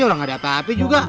orang ada apa apa juga